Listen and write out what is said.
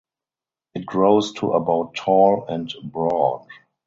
It grows to about tall and broad.